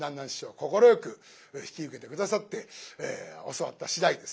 快く引き受けて下さって教わった次第です。